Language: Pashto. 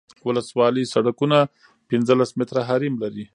ولسوالي سرکونه پنځلس متره حریم لري